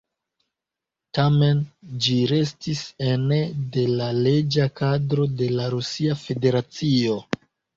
Tamen ĝi restis ene de la leĝa kadro de la Rusia Federacio.